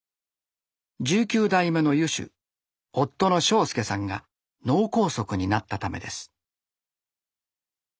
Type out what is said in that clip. １９代目の湯主夫の昇介さんが脳梗塞になったためです。